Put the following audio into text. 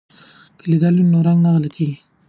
که لیدل وي نو رنګ نه غلطیږي.